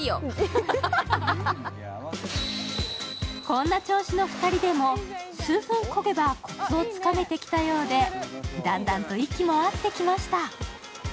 こんな調子の２人でも数分こげばコツをつかめてきたようで、だんだんと息も合ってきました。